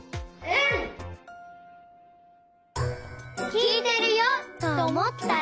きいてるよとおもったら。